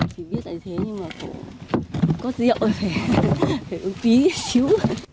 chị biết là thế nhưng mà có rượu thì phải uống chút chíu